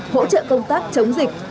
hỗ trợ công tác chống dịch